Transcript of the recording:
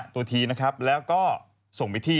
ตัวทีนะครับแล้วก็ส่งไปที่